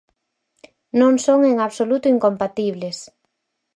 Non son en absoluto incompatibles.